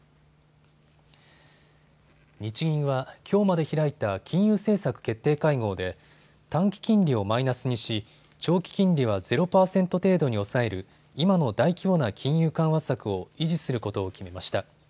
日銀は、きょうまで開いた金融政策決定会合で短期金利をマイナスにし、長期金利はゼロ％程度に抑える今の大規模な金融緩和策を維持することを決めました。